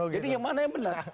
jadi yang mana yang benar